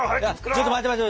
ちょっと待って待って。